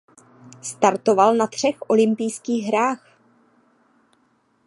Startoval na třech olympijských hrách.